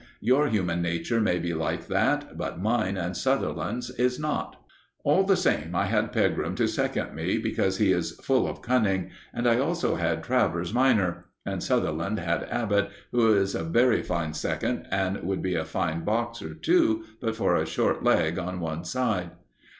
"Your human nature may be like that, but mine and Sutherland's is not." All the same, I had Pegram to second me, because he is full of cunning, and I also had Travers minor; and Sutherland had Abbott, who is a very fine second, and would be a fine boxer, too, but for a short leg on one side.